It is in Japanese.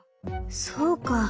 そうか。